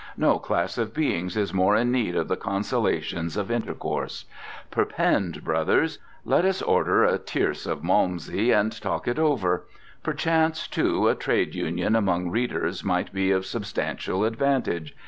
No class of beings is more in need of the consolations of intercourse. Perpend, brothers! Let us order a tierce of malmsey and talk it over! Perchance, too, a trade union among readers might be of substantial advantage.